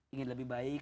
ingin lebih baik